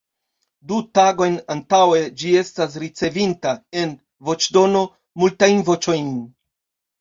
Du tagojn antaŭe, ĝi estas ricevinta, en voĉdono, multajn voĉojn.